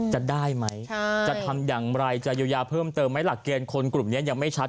จะได้ไหมจะทำอย่างไรจะเยียวยาเพิ่มเติมไหมหลักเกณฑ์คนกลุ่มนี้ยังไม่ชัด